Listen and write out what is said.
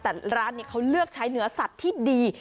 แต่ร้านนี้เขาเลือกใช้เนื้อสัตว์ที่ดี